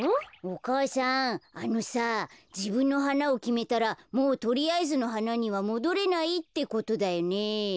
お母さんあのさじぶんのはなをきめたらもうとりあえずのはなにはもどれないってことだよね。